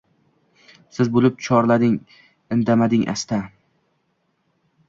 Sir bo‘lib chorlading, imlading asta